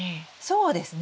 そうですね。